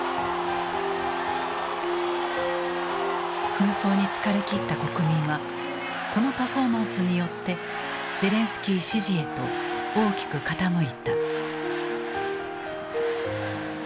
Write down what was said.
紛争に疲れきった国民はこのパフォーマンスによってゼレンスキー支持へと大きく傾いた。